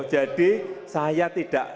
jadi saya tidak